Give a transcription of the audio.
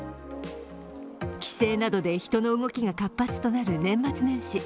帰省などで人の動きが活発となる年末年始。